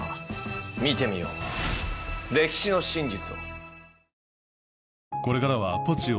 見てみよう歴史の真実を。